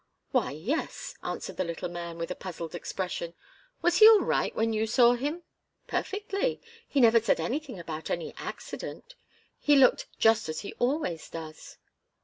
"Why yes," answered the little man, with a puzzled expression. "Was he all right when you saw him?" "Perfectly. He never said anything about any accident. He looked just as he always does."